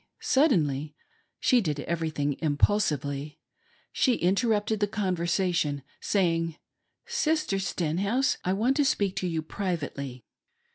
Suddenly — she did everything impuls ively— she interrupted the conversation, saying :" Sister Stenhouse, I want to speak to you privately."